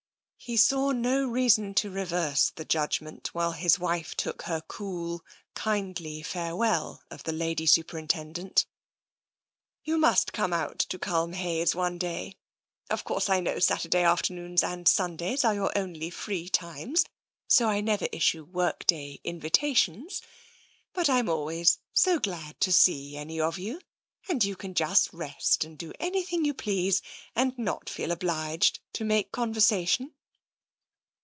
He saw no reason to reverse the judgment while his wife took her cool, kindly farewell of the Lady Super intendent. " You must come out to Culmhayes one day. Of course, I know Saturday afternoons and Sundays are your only free times, so I never issue workday invita tions. But I'm always so glad to see any of you, and you can just rest and do anything you please, and not feel obliged to make conversation."